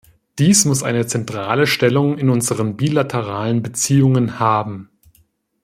Dies muss eine zentrale Stellung in unseren bilateralen Beziehungen haben.